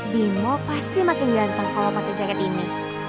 bimo pasti makin ganteng kalo pake jaket ini